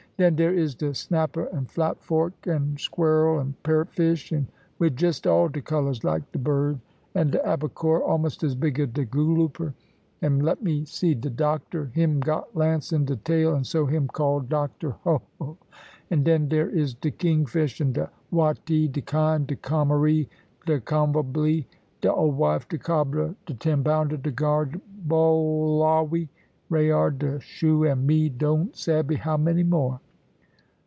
"Den dere is de snapper and flatfork, and squerrel and parot fish, wid just all de colours like de bird; and de abacore, almost as big as de glouper; and, let me see, de doctor him got lance in de tail, and so him called doctor, ho! ho! and den dere is de king fish, and de wattee, de kind, de comaree, de convalby, de old wife, de cobbler, de ten pounder, de garr, bolalwe, reay, de shew, and me don't saby how many more."